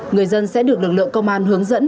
người dân sẽ được lực lượng công an hướng dẫn